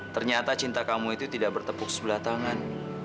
ternyata cinta kamu itu tidak bertepuk sebelah tangan